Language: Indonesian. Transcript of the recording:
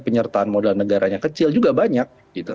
penyertaan modal negaranya kecil juga banyak